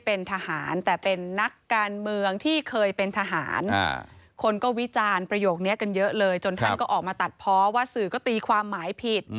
ประโยคนี้กันเยอะเลยจนท่านก็ออกมาตัดเพาะว่าสื่อก็ตีความหมายผิด